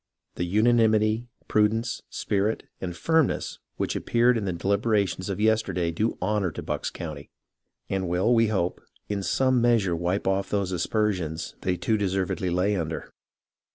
The unanimity, prudence, spirit, and firmness which appeared in the deHberations of yesterday do honour to Bucks County, and will, we hope, in some measure wipe off those aspersions they too deservedly lay under.